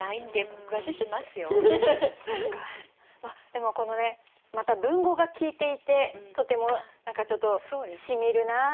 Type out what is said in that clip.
でもまた文語が効いていてとても何かちょっとしみるなあ。